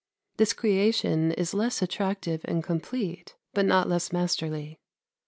This creation is less attractive and complete, but not less masterly.